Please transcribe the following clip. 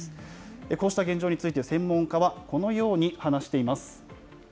こうした現状について専門家はこのように話しています。